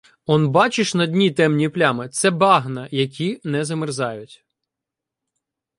Он бачиш на дні темні плями — це багна, які не замерзають.